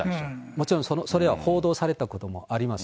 もちろん、それは報道されたこともあります。